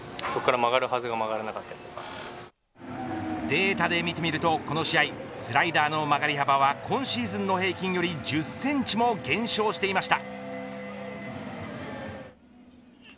データで見てみると、この試合スライダーの曲がり幅は今シーズンの平均より１０センチも減少していました。